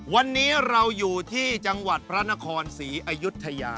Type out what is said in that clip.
วันนี้เราอยู่ที่จังหวัดพระนครศรีอยุธยา